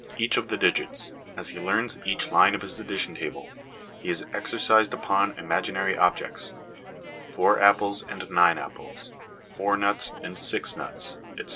Thus with 3, 4, 5, each of the digits : as he learns each line of his addition table, he is exercised upon imaginary objects, '4 apples and 9 apples/ '4 nuts and 6 nuts,' etc.